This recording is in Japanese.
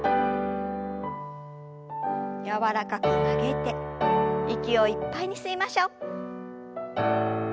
柔らかく曲げて息をいっぱいに吸いましょう。